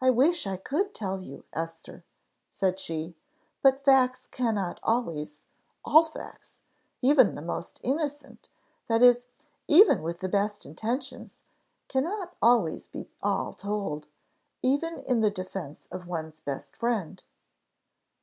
"I wish I could tell you, Esther," said she; "but facts cannot always all facts even the most innocent that is, even with the best intentions cannot always be all told, even in the defence of one's best friend."